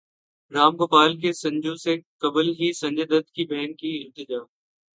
رام گوپال کی سنجو سے قبل ہی سنجے دت کی بہن کی التجا